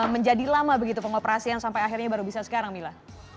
menjadi lama begitu pengoperasian sampai akhirnya baru bisa sekarang mila